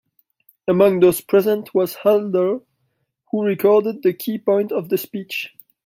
Among those present was Halder, who recorded the key points of the speech.